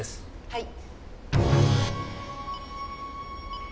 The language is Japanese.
はい。